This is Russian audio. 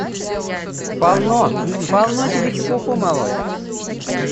– Полно, полно тебе чепуху молоть!